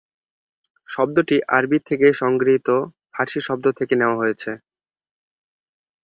শব্দটি আরবি থেকে সংগৃহীত ফারসি শব্দ থেকে নেওয়া হয়েছে।